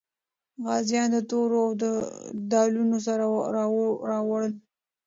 غازیان د تورو او ډالونو سره راوړل.